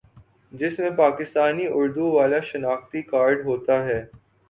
جس میں پاکستانی اردو والا شناختی کارڈ ہوتا ہے